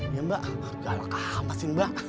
iya mbak gak ada apa apa sih mbak